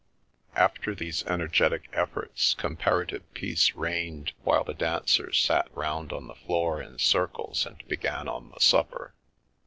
After these energetic efforts, comparative peace reigned while the dancers sat round on the floor in circles and began on the supper.